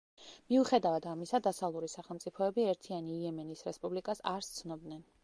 მიუხედავად ამისა, დასავლური სახელმწიფოები ერთიანი იემენის რესპუბლიკას არ სცნობდნენ.